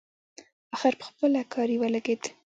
اخر پخپله کاري ولګېد.